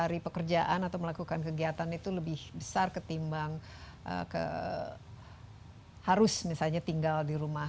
mencari pekerjaan atau melakukan kegiatan itu lebih besar ketimbang harus misalnya tinggal di rumah